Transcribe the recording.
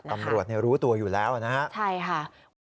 ตำรวจรู้ตัวอยู่แล้วนะครับใช่ค่ะว่า